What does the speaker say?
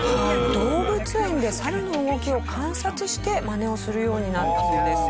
動物園でサルの動きを観察してマネをするようになったそうです。